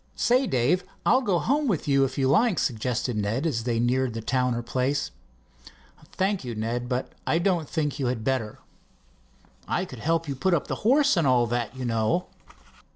"Say, Dave, I'll go home with you if you like," suggested Ned, as they neared the Towner place. "Thank you, Ned, but I don't think you had better." "I could help you put up the horse and all that, you know."